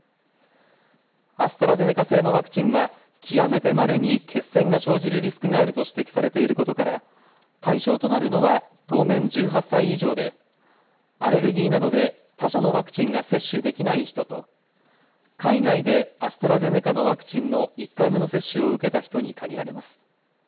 アストラゼネカ製のワクチンは極めてまれに血栓が生じるリスクがあると指摘されていることから対象となるのは当面１８歳以上でアレルギーなどで他社のワクチンが接種できない人と海外でアストラゼネカのワクチンの１回目の接種を受けた人に限られます。